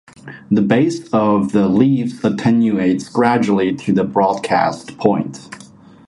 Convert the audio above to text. The base of the leaves attenuates gradually to the broadest point.